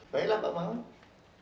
baiklah pak mangun